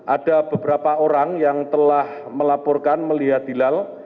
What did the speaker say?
ada beberapa orang yang telah melaporkan melihat hilal